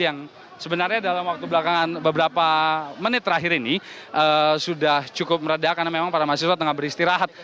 yang sebenarnya dalam waktu belakangan beberapa menit terakhir ini sudah cukup meredah karena memang para mahasiswa tengah beristirahat